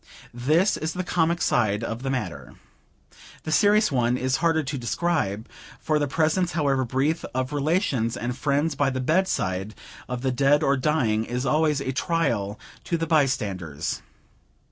This is the comic side of the matter. The serious one is harder to describe; for the presence, however brief, of relations and friends by the bedside of the dead or dying, is always a trial to the bystanders.